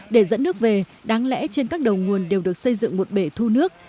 để dẫn nước về đáng lẽ trên các đầu nguồn đều được xây dựng một bể thu nước